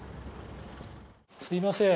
すいません。